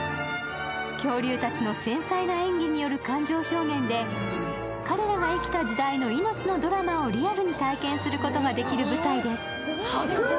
恐竜たちの繊細な演技による感情表現で彼らが生きた時代の命のドラマを体験することができる舞台です。